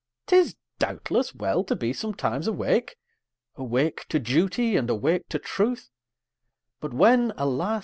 'Tis, doubtless, well to be sometimes awake, Awake to duty, and awake to truth, But when, alas!